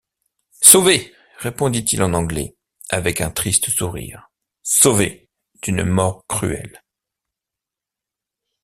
Sauvé, répondit-il en anglais, avec un triste sourire, sauvé d’une mort cruelle!